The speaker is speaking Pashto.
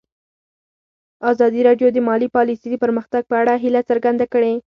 ازادي راډیو د مالي پالیسي د پرمختګ په اړه هیله څرګنده کړې.